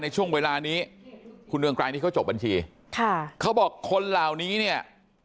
ช่วงเวลานี้คุณเรืองไกรนี่เขาจบบัญชีค่ะเขาบอกคนเหล่านี้เนี่ย